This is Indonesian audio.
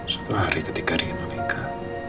suatu hari ketika rina menikah